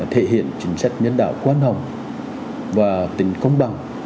thể hiện chính sách nhân đạo quan hồng và tính công bằng